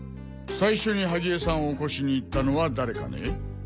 最初に萩江さんを起こしに行ったのは誰かね？